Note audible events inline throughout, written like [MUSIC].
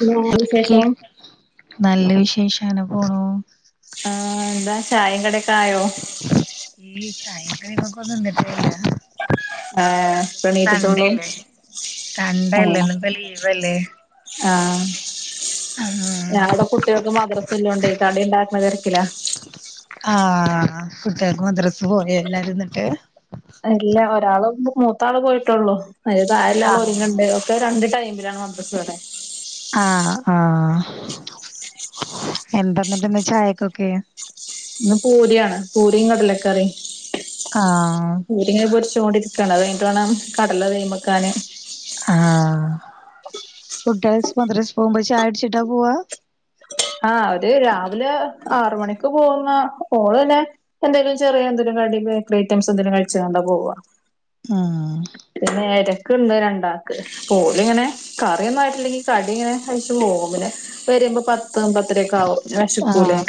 പിന്നെ കേ വിശേഷം നല്ല വിശേഷം അങ്ങനെ പോണു ആഹ് ന്താ ചായിം കടി ക്കായോ? ഈ ചായിം കടിംമ്മക്കെന്നും നിന്ന്ട്ടില്ല. [INAUDIBLE] ആഹ്, പ്പെണീറ്റ്റ്റൊള്ളൂ അല്ലേ സൺഡേ അല്ലേ ആഹ്. ഇന്നിപ്പോ ലീവല്ലേ ആഹ്. ഞാ വടേ കുട്ട്യാൾക്ക് മദ്രസല്ലോണ്ടേയ് കടിണ്ടാക്ക്ണ തെരക്കിലാ. ആഹ് കുട്ട്യാൾക്ക് മദ്രസ് പോയോ എല്ലാരും ന്നിട്ട്. അല്ല ഒരാള് മൂത്താള് പോയിട്ടോള്ളു അയിന് താഴെള്ള ആള് ആഹ് ഒരുങ്ണ്ട്. ഇപ്പ രണ്ട് ടൈമിലാണ് മദ്രസ് വടേ. ആഹ് ആഹ് എന്താന്നിട്ട് ന്ന് ചായക്കൊക്കെ? ന്ന് പൂരിയാണ് പൂരിം കടലക്കറിം. ആഹ്. പൂരിങ്ങനെ പൊരിചോ ണ്ടിരിക്കാണ് അത് കയ്ഞ്ഞിട്ടുവാണം കടല തീയ്മക്കാന്. ആഹ് കുട്ട്യാള് മദ്രസ് പോവുമ്പോ ചായൊടിച്ചിട്ടാ പോവ്വാ? ആഹ് അവര് രാവിലെ ആറുമണിക്ക് പോകുന്ന ഓള് പിന്നെ എന്തേലും ചെറിയ എന്തേലും കടി ബേക്കറി ഐറ്റംസ് എന്തേലും കഴിച്ച്ങ്ങാണ്ടാ പോവ്വാ. ഉം പിന്നെയാര്? ക്ക്ണ്ണ് രണ്ടാക്ക് പ്പോ ഓലിങ്ങനെ കറിയൊന്നും ആയിട്ടില്ലെങ്കി കടി ഇങ്ങനെ കഴിച് പോവും. വരുമ്പോ പത്തും പത്തരേയൊക്കെ ആവും. വെശക്കൂലേ ആഹ്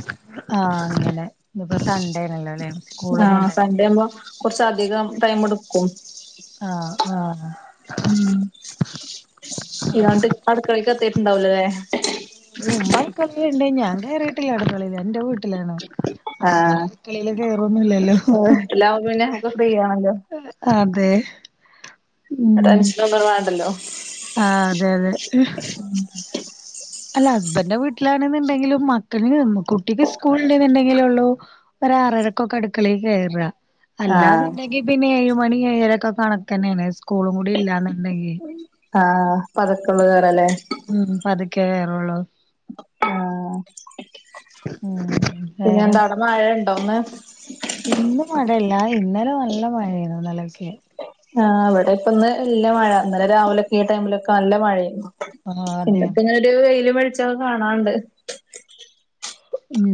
ആഹ് അങ്ങനെ ഇന്നിപ്പോ സൺ‌ഡേയാണല്ലോലേ. ആഹ് സൺഡേ ആവുമ്പോ കൊർച്ചധികം ടൈം ടുക്കും. ആഹ് ആഹ്. ഉം ഇയാണ്ട് അടുക്കളീക്ക് എത്തീയിട്ടുണ്ടാവുല്ലലേ. പിന്നെ ഉമ്മ അട്ക്കളീല്ണ്ട് ഞാൻ കേറീട്ടില്ല അടുക്കളീല് ന്റെ വീ ട്ടിലാണ് അപ്പോ പിന്നെ ആഹ് അടുക്കളെല് കേറൊന്നുല്ലല്ലോ. എല്ലാവും പിന്നേ ഒക്കെ ഫ്രീയാണല്ലോ. അതെ ഉം ടെൻഷനൊന്നും വേണ്ടല്ലോ. ആഹ് അതെ അതെ. [INAUDIBLE] അല്ല ഹസ്ബന്റെ വീട്ടിലാണ്ന്ന്ണ്ടങ്കിലും മക്കൾ കുട്ടിക്ക് സ്ക്കൂള്ണ്ടെന്നുണ്ടെങ്കിലൊള്ളൂ ഒരാറരക്കൊക്കെ അടുക്കളീ കേറാ. ആഹ് അല്ലാന്നുണ്ടെങ്കി പിന്നെ ഏഴ് മണി ഏഴരകൊ കണക്കന്നേണ് സ്കൂളും കൂടി ഇല്ലാന്നുണ്ടെങ്കി. ആഹ് [UNINTELLIGIBLE] ല്ലേ. ഉം പതുക്കേ കേറൂള്ളൂ. ആഹ് ഉം വേറെന്താ പിന്നെന്താവടേ മഴണ്ടോ ന്ന്? ഇന്ന് മഴയില്ല ഇന്നലെ നല്ല മഴയാരുന്നു ഇന്നലെക്കെ. ആഹ് ഇവടെപ്പന്ന് ഇല്ല മഴ ഇന്നലെ രാവിലെക്കെ ഈ ടൈമിലൊക്കെ നല്ല മഴെര്ന്നു. ആഹ് അതെ അതെ ഇന്നിപ്പങ്ങനൊരു വെയിലും വെളിച്ചക്കെ കാണാണ്ട്. ഉം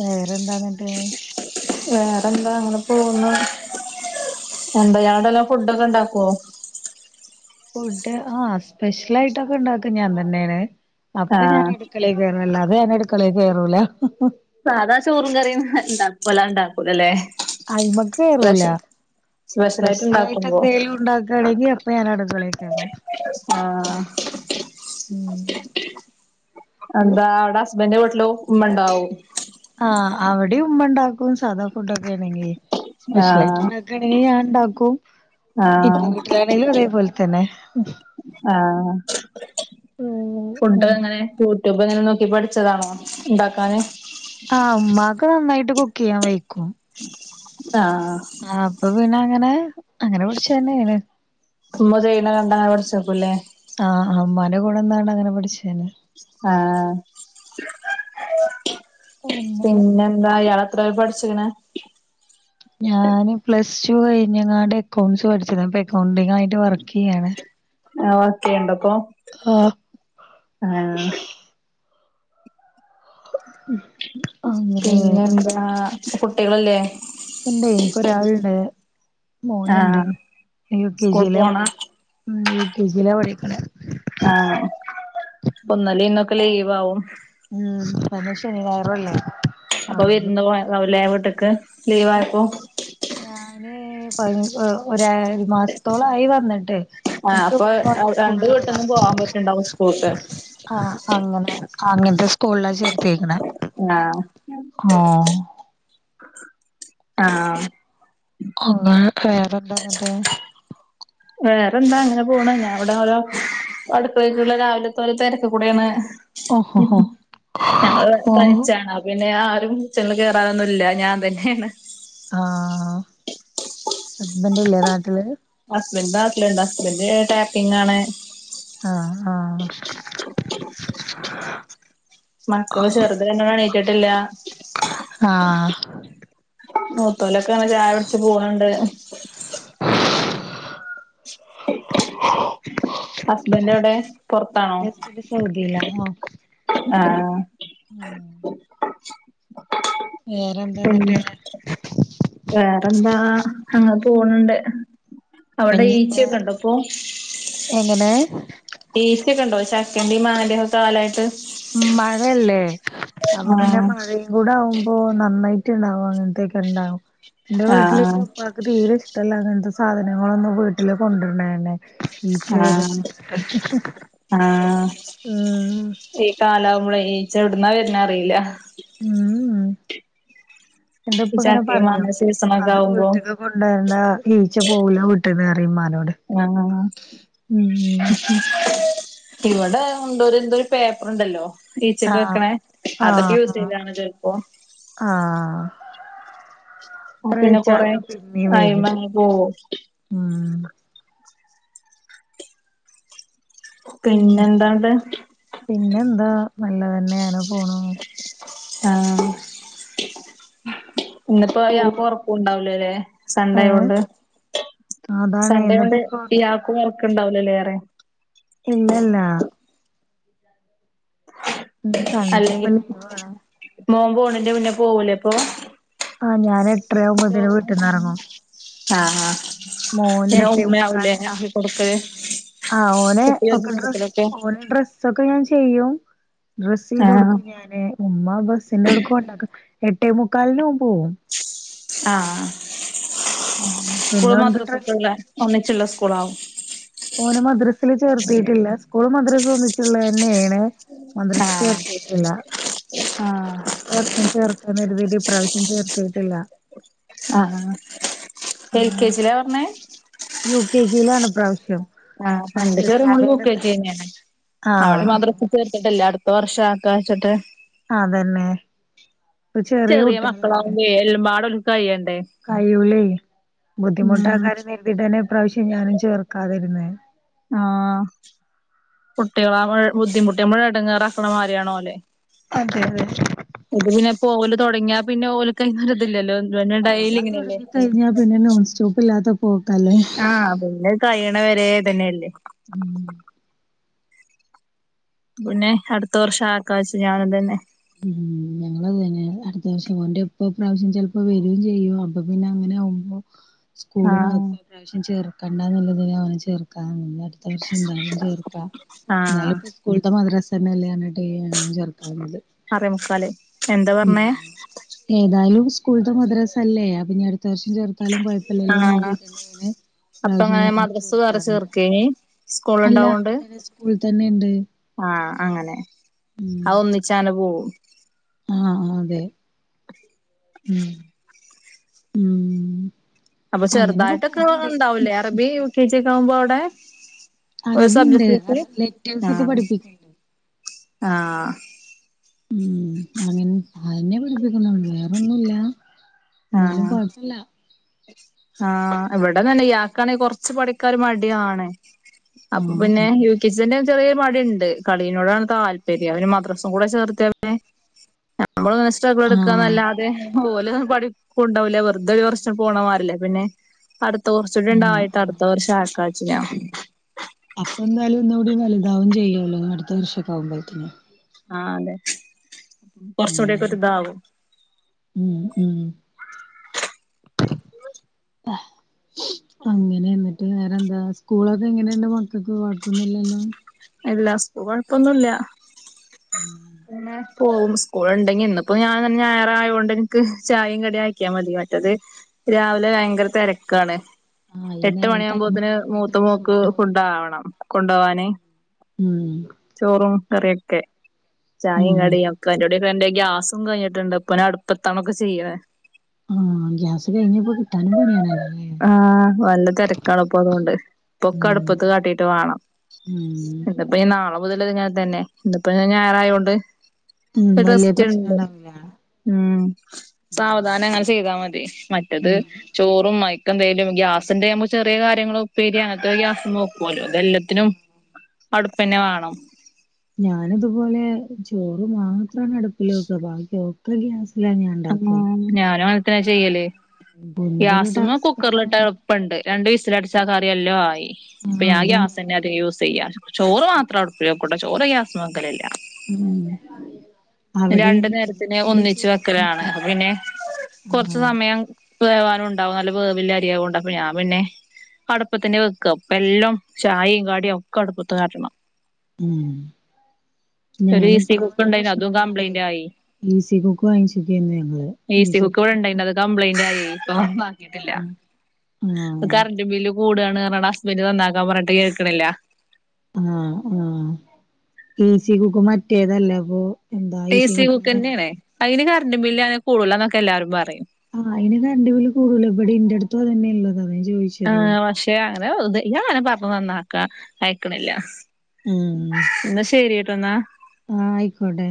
വേറെന്താന്നിട്ട്? വേറെന്താ അങ്ങനെ പോകുന്നു എന്താ യാടെല്ലാം ഫുഡോക്കെ ണ്ടാക്കുവോ? ഫുഡ് ആഹ് സ്പെഷ്യലായിട്ടൊക്കെ ഉണ്ടാക്കാ ഞാൻ തന്നെണ്. അപ്പോ ഞാൻ ആഹ് അടുക്കളേക്കേറും അല്ലാതെ ഞാൻ അടുക്കളേ കേറുലാ. സാദാ ചോറും കറിം വല്ലാ വല്ലാതെ ഇണ്ടാക്കൂലലേ. അയിമേക്കേറൂലാ സ്പെഷ്യലായിട്ട് എന്തൊലും ഉണ്ട ക്കാണെങ്കി അപ്പോ ഞാന് അടുക്കളേ കേറും. ആഹ് [INAUDIBLE] എന്താ അവടെ ഹസ്ബൻന്റെ വീട്ടിലും ഉമ്മ ഇണ്ടാവും ആഹ് അവടെയും ഉമ്മ ഉണ്ടാക്കും സാദാ ഫുഡ് ഒക്കെ ആണെങ്കി സ്പെഷ്യലായിട്ട് ആഹ് ഇണ്ടാക്കണേ ഞാൻ ണ്ടാക്കും ഇന്റെ ആഹ് വീട്ടിലാണെലും അതേപോലെ തന്നെ ആഹ് ഫുഡോക്കെ ഉം എങ്ങനെ യു ട്യൂബ്ങ്ങാനും നോക്കി പഠിച്ചതാണോ ഇണ്ടാക്കാന് ആഹ് ഉമ്മാക്ക് നന്നായിട്ട് കുക്ക് ചെയ്യാൻ വെയ്ക്കും ആഹ് ആഹ് അപ്പോ പിന്നെ അങ്ങനെ അങ്ങനെ പഠിച്ച തന്നെയാണ് ഉമ്മ ചെയ്യണ കണ്ട് അങ്ങനെ പഠിച്ചേക്കുലെ ആഹ് ഉമ്മാന്റെ കൂടെ നിന്നാണ് അങ്ങനെ പഠിച്ചേന് ആഹ് അങ്ങനെ പിന്നെ എന്താ ഇയാ എത്രവരെ പഠിച്ചിക്ക്ണ് ഞാന് പ്ലസ് ടു കഴിഞ്ഞ്ങ്ങാണ്ട് എക്കൗണ്ട്സ് പഠിച്ചതാ ഇപ്പോ എക്കൗണ്ടിങ്ങായിട്ട് വർക്ക് ചെയ്യാണ് ആഹ് വർക്കെയേണ്ടപ്പോ ആഹ് ആഹ് ഉം പിന്നെ എന്താ കുട്ടികളില്ലേ ഇണ്ട് എനിക്കൊരാള്ണ്ട് മോനുണ്ട് ആഹ് യു കെ സ്കൂൾ ജിലാ പോണ പഠിക്കണ ഉം യു കെ ജിലാ പഠിക്കുന്നെ ആഹ് ഇന്നലെയും ഇന്നൊക്കെ ലീവാവും ഉം തന്നെ ശനി ഞായറും അല്ലേ അപ്പോ ആഹ് വിരുന്നു പോയത് ലീവല്ലേ ആവൂല്ലേ വീട്ട്ക്ക് ലീവയപ്പോ അല്ല ഞാന് പതിന ഒരു മാസത്തോളവായി വന്നിട്ട് ആഹ് എനിക്ക് അപ്പോ ഇവിടുന്ന് ഓരോ രണ്ട് സ്കൂളിൽ വിടാം വീട്ടന്നും പോവാൻ പറ്റണ്ടാവും സ്കൂൾക്ക് ആഹ് അങ്ങനെ അങ്ങനത്തെ സ്കൂളിലാ ചേർത്തെക്കണേ ആഹ് ആഹ് അങ്ങനെ വേറെന്താന്നിട്ട് വേറെ ന്താ അങ്ങനെ പോണ് ഞാനിവിടെ ഓരോ അടുക്കളീക്കുള്ള രാവിലത്തെ പോലെ തിരക്ക് കൂടെയാണ് ഇ ഓഹോഹോ ഹും ഞങ്ങളിവിടെ ഓ തനിച്ചാണ് പിന്നെ ആരും കിച്ചണിൽ കേറാനൊന്നുല്ല ഞാൻ തന്നെയാണ് ആഹ് ഹസ്ബന്റ് ല്ലേ നാട്ടില് ഹസ്ബൻഡ് നാട്ടിലുണ്ട് ഹസ്ബൻഡ് ടാപ്പിംഗാണ് ആഹ് ആഹ് മക്കള് ചെറുത് രണ്ടെണ്ണം എണീറ്റിട്ടില്ല ആഹ് മൂത്തോലൊക്കെ അങ്ങനെ ചായുട്ച് പോവ്ണ്ട് ഹസ്ബൻഡ് എവിടെ പുറത്താണോ എന്റെ സൗദിയിലാ ഹാ ആഹ് വേറെന്താ പിന്നെ എന്നിട്ട് വേറെന്താ അങ്ങനെ പോണണ്ട് അവിടെ ഈച്ച ഇഞ്ഞിന്ന് യൊക്കെ ണ്ടോപ്പൊ എങ്ങനെ ഈച്ചയൊക്കെണ്ടോ ഈ ചക്കയുടെ മാങ്ങയുടെയും ഒക്കെ കാലായിട്ട് മഴല്ലേ അപ്പൊ പിന്നെ ആഹ് മഴ കൂടെ ആകുമ്പോ നന്നായിട്ട് ഉണ്ടാവും അങ്ങനത്തൊക്കെ ഉണ്ടാവും എന്റെ വീട്ടില് ആഹ് ന്റെ പ്പാക്ക് ക്ക് തീരെ ഇഷ്ടല്ല അങ്ങനത്തെ സാധനങ്ങളൊക്കെ വീട്ടില് കൊണ്ടര്ണന്നെ ഈച്ച വരും എന്ന് ആഹ് പറഞ്ഞിട്ട് ആഹ് ഈ കാലാവുമ്പളേയ് ഈച്ച എവുടുന്നാ വരുന്ന അറിയില്ല ആഹ് ആഹ് ഈ എന്റ്പ്പങ്ങനെ ചക്കയും പറയും മാങ്ങ സീസണൊക്കെ അതും ആവുമ്പോ വ്ട്ട്ക്ക് കൊണ്ടരണ്ട ഈച്ച പോകൂല വീട്ട്ന്ന്റയുംമ്മാനോട് ആഹ് ആഹ് ആഹ് ഇവിടെ ഉണ്ടോര്ന്തോരു പേപ്പർണ്ടല്ലോ ഈച്ചക്ക് ആഹ് വെക്കണേ അതൊക്കെ ആഹ് യൂസ് ആഹ് ചെയ്താണ് ചെൽപ്പോ ആഹ് പിന്നെ കൊറേ ത്രച്ചാലും പിന്നേം വരും അയിമങ്ങ് പോവും ഉം ഉം പിന്നെന്താണ്ട് പിന്നെന്താ നല്ല തന്നെയന്നെ പോണ് ആഹ് ഇന്ന്പ്പോ ഓ യാക്ക് ഒറക്കോണ്ടാവൂലല്ലേ സൺണ്ടേ ഏ ആയോണ്ട് അതാണ് സൺഡേ ഇന്നിപ്പോ ആയോണ്ട് ഇപ്പൊ ഇയാക്കും ഒറക്ക്ണ്ടാവൂലല്ലേറയാ ഇല്ലല്ല ഉം സൺഡേപ്പൊ അല്ലെങ്കിൽ ലീവ് ആണ് മോൻ പോണേന്റെ മുന്നെ പോവല്ലേപ്പൊ ആഹ് ഞാനെട ജോബ്ന് ആഹ് ആഹ് മോന് പിന്നെ എട്ടേ ഉമ്മയാവുംലേ കൊടുക്ക്വേ ആഹ് ഓലെ ഒക്കെ ഡ്രസ്സ് ഓലെ ഡ്രസ്സൊക്കെ ഞാൻ ചെയ്യും ഡ്രസ്സ്‌ ചെയ്ത് ആ കൊടുക്കും ഞാന് ഉമ്മാ ബസ്സിന്റെ അവ്ട്ക്ക് കൊണ്ടാക്കും എട്ടേമുക്കാലിന് മുമ്പ് പോവും ആഹ് ഉം പിന്നെ സ്കൂളും ഓൻക്ക് ഡ്രസ്സ് മദ്രസക്കല്ലേ ഒന്നച്ച്ള്ള സ്കൂളാവും ഓനെ മദ്രസ്സ് ചേർത്തീട്ടില്ല സ്കൂളും മദ്രസും ഒന്നിച്ച്ള്ളന്നെയാണ് മദ്രസ്സ് ആ ചേർത്തീട്ടില്ല ആഹ് ത്തവർഷം ചേർക്കാന്ന് കരുതീട്ട് ഇപ്രാവശ്യം ചേർത്തീട്ട്ല്ല ആഹ് ഹാ എൽ കെ ജിലാ വിടണേ യൂ കെ ജിലാണ് ഇപ്രാവശ്യം ആഹ് എന്റെ ഫസ്റ്റ് ചെറിയ മോള് യൂ സ്റ്റാൻഡേർഡ്ന്ന് കെജിന്നെയാണ് അവളെ ആഹ് മദ്ര പ്പചേർത്ത്ട്ട്ല്ല അട്ത്ത വർഷം ആക്കാഞ്ഞ്വെച്ചിട്ട് അതന്നെ ചെറിയ മക്കളാവുമ്പേ എല്ലമ്പാടൊക്ക് കയ്യണ്ടേ കൈയ്യൂല്ലേ ബുദ്ധിമുട്ടാക്കാര്യം കെര്തിട്ട്ന്നെ ഈ പ്രാവിശ്യം ഞാനും ചേർക്കാതിരുന്നേ ആഹ് കുട്ടികള അവ് ബുദ്ധിമുട്ടി നമ്മളെ എടങ്ങറാക്കണ മാതിരിയാണോലെ അതെ അതെ ഇത് പിന്നെപ്പോ ഓല് തൊടങ്ങിയാ പിന്നെ ഓല്ക്ക് അയ്നൊര്തില്ലലോ പിന്നെ ഡെയ്ലിങ്ങനെയല്ലേ ഇനി കഴിഞ്ഞാ പിന്നെ നോൺ സ്റ്റോപ്പില്ലാത്ത പോക്കാ അല്ലേ ആഹ് അത്പിന്നെ കയ്യണവരേ ഇതന്നെയല്ലേ ഉം പിന്നെ അടുത്ത വർഷം ആക്ക വെച്ചു ഞാൻതന്നെ ഉം ഞങ്ങളതന്നെ അടുത്ത വർഷം ഓന്റെ ഉപ്പ പ്രാവശ്യം ചെലപ്പോ വര്വേം ചെയ്യും അപ്പൊ പിന്നെ അങ്ങനെ ആവുമ്പോ സ്കൂള് ആഹ് മത്രേം ഈ പ്രാവശ്യം ചേർക്കണ്ടാന്ന്ള്ളതിനാ അവനെ ചേർക്കാതെനിന്നെ ത്തവർഷം എന്തായാലും ചേർക്കാ ആഹ് എന്നാല് സ്കൂള്ത്തെ മദ്രാസന്നല്ലേർഞ്ഞ്ട്ട് ഈ ഏഹ് ചേർക്കാറ്ണ്ട് ആറേമുക്കാല് എന്താ പറഞ്ഞേ ഏതായാലും സ്കൂള്ത്തെ മദ്രാസല്ലേ അപ്പ്നിഅട് അട്ത്തവർഷം ചേർത്താലും കൊയപ്പ്ല്ലല്ലോന്ന് ആഹ് കര്തീട്ടന്നെയാണ് ഈ അപ്പൊ പ്രാവശ്യം അങ്ങനെ ഞങ്ങളും മദ്രസ് വേറെ ചേർക്കാതിര്ന്നെ ചേർക്കേനി സ്കൂൾ അല്ല ഉണ്ടാവോണ്ട് ഇവ്ടെത്തന്നെ സ്കൂളിൽ തന്നെണ്ട് ആഹ് അങ്ങനെ അവൊന്നിച്ചങ്ങ്നെ പോവും ആഹ് ആഹ് അതെ ഉം ഉം അപ്പൊ അങ്ങനൊക്കെ ചെറുതായിട്ടൊക്കെ പോണ്ട് ഉണ്ടാവുലേ അറബി യു കെ ജി ഒക്കാവുമ്പോ അവ്ടെ ഒരു അറബിണ്ട് സബ്ജക്ട് [UNINTELLIGIBLE] ലെറ്റേഴ്സ് ഒക്കെ ആഹ് പഠിപ്പിക്ക്ണ്ട് ആഹ് ഉം അങ്ങൻ അതന്നെപഠിപ്പിക്കുന്നുള്ളു വേറൊന്നുല്ല ന്നാലും ആഹ് കൊഴപ്പല്ല ആഹ് ഇവിടതന്നെ ഇയാക്കാണെ കൊറച്ച് പഠിക്കാ ഒരു മടിയാണ്. അപ്പൊ ആഹ് പിന്നെ ആഹ് യൂ കെ ജി തന്നെ ചെറിയൊരു മടിണ്ട്. കളിയിനോടാണ് താല്പര്യം അവന് മദ്രസും കൂടെ ചേർത്ത്യാ [UNINTELLIGIBLE] നമ്മള് ങ്ങനെ സ്ട്രഗിൾ ആഹ് ഇട്ക്കാന്നല്ലാതെ ഓലു പഠിക്കുണ്ടാവൂല്ല വെറുതെ കൊർ പോണ മാറ്യല്ലേ പിന്നെ അടുത്ത കുറച്ചൂടി ആഹ് ആണ്ടായിട്ട് ആഹ് അടുത്ത വർഷാക്കാന്നെച്ചു ഞാൻ. അപ്പെന്തായിലും ഒന്നു കൂടി വലുതാവും ചെയ്യോല്ലോ അടുത്ത വർഷൊക്ക ആകുമ്പോഴ്ത്തിന്. ആഹ് അതെ. അപ്പം ഉം കാറച്ചൂട്യൊക്കൊരിതാവും. ഉം ഉം [UNINTELLIGIBLE] വ അങ്ങനെ, എന്നിട്ട് വേറെന്താ? സ്കൂളൊക്കെ എങ്ങനെയുണ്ട്? മക്കക്ക് കുഴപ്പോന്നില്ലല്ലോ. അല്ല സ്കൂ കുഴപ്പൊന്നുല്ല. ഉം അങ്ങനെ പോവും സ്കൂൾ ഉണ്ടെങ്കി ഇന്നിപ്പോ ഞാൻ തൻ ഞായറായൊണ്ട് ഇൻക്ക് ചായിം കടിം ആക്കിയാ മതി. മറ്റത് രാവിലെ ഭയങ്കര തെരക്കാണ്. ആഹ് ഈ എട്ട് നേ ഈ മണിയാകുമ്പോത്തിന് ടൈമൊക്കെ മൂത്ത ആവുമ്പോഴത്തേനും മോക്ക് ഫുഡാവും ഫുഡ് ഡാവണം കൊണ്ടോവാന്. ഉം ചോറും കറിയൊക്കെ ചായയും ഉം കടിയും ഒക്കെ അയിന്റെടേ ഇപ്പൊ എന്റെ ഗ്യാസും കഴിഞ്ഞിട്ടുണ്ട്. ഇപ്പ നാ അട്പ്പത്താണ് ഒക്കെ ചെയ്യണെ. ആഹ് ഗ്യാസ് കഴിഞ്ഞപ്പോ കിട്ടാനും പണിയാണല്ലോ അല്ലേ ആഹ്. വല്ല തെരക്കാണ്പ്പൊ അതോണ്ട്. ഉം ഇപ്പൊക്കടുപ്പത്ത് കാട്ടിട്ട് വാണം. ഉം ഇന്ന്പ്പോ നാളെ മുതല് ഇങ്ങന തന്നെ. ഇന്ന്പ്പോ ഞാ ഞായറായോണ്ട്. ഉം വലിയ റസ്റ്റ്‌ പ്രശ്നം ണ്ട്. ഉണ്ടാവില്ല ഉം. സാവധാനം അങ്ങനെ ചെയ്താ മതി. മറ്റത് ഉം ചോറും അയക്കെന്തേലും. ഗ്യാസ്ണ്ടേ നമക്ക് ചെറിയ കാര്യങ്ങളുപ്പേരി അങ്ങനത്തെ ഗ്യാസ് വെക്കോല്ലോ. ഇതെല്ലത്തിനും അടുപ്പന്നെ വാണം. ഞാനു ഇതുപോലെ ചോറ് മാത്രാണ് അടുപ്പില് വെക്കാ. ബാക്കി ഒക്കെ ഗ്യാസിലാ ഞാൻ ആഹ്. ഉണ്ടാക്കുക ഞാനു അങ്ങൻതെന്നാ ചെയ്യല്. എന്തൊരു ഗ്യാസുമ്മ കുക്കറില് ടാസ്കാണ് ട്ടാ എ ൾപ്പണ്ട്. രണ്ട് വിസിലടിച്ചാ കറി എല്ലം ആയി. അപ്പം ആഹ് ഞാൻ അതാണ് ഗ്യാസന്നെ അധികം യൂസെയ്യാറ്. ചോറ് മാത്രം അടുപ്പില് വെക്കുട്ടൊ ചോറ് ഗ്യാസ്മ വെക്കലില്ല. ഉം രണ്ട് അവിടെയും നേരത്തിന് ഇതുപോലെ ഒന്നിച്ച് ചോറ് വെക്കലാണ്. മാത്രം അപ്പപിന്നെ കൊറച്ചു ആഹ് സമയം വേവാനുണ്ടാവും നല്ല വേവില്ലെ അരിയാവോണ്ട്. അപ്പ ഞാൻ പിന്നെ അടുപ്പത്തന്നെ വെക്കാ. പ്പ എല്ലാം ചായിം കടിം ഒക്കടുപ്പത്ത് കാട്ടണം. ഉം. ഒരു ഈസി ഞാനിപ്പാ ആ കുക്ക് ഒരു ഉണ്ടായിന് പ്രശ് അതും നം കൊണ്ടേ കംപ്ലൈന്റ് ആയി ഈസി കുക്ക് വാങ്ങിച്ചക്കേന്ന് ഞങ്ങള് ഈസീ കുക്ക് വാ കപ്ലൈന്റ് ആയി ഇപ്പളും വാങ്ങിട്ടില്ല. [UNINTELLIGIBLE] ആഹ് കറൻ്റ് ബില്ലും കൂടാണ് പർഞ്ഞാണ്ട് ഹസ്ബന്ഡ് നന്നാക്കാം പർഞ്ഞ്ട്ട് കേക്ണില്ല. ആഹ് ആഹ്. ഈസി കുക്ക്, മറ്റേതല്ലെ പ്പൊ ഈസി കുക്കെന്നേണ്. അയിന് കറണ്ട് ബില്ല് ആയാ കൂടൂലാന്നൊക്കെ എല്ലാരും പറിം. ആഹ് അയിന് കറണ്ട് ബില്ല് കൂടൂല. ഇവടിം ഇൻ്റെട്ത്തും അതന്ന്യാ ഉള്ളത് അതാ ഞാൻ ചോയിച്ചത്. ക്ഷെ അങ്ങനെ ദ് ഇയാളങ്ങനെ പറഞ്ഞു നന്നാക്ക അയ്ക്ണില്ല. ഉം ഇന്നാ ശരി ട്ടോ ന്നാ. ആഹ് അയിക്കോട്ടെ.